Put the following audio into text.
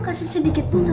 masa ini aku mau ke rumah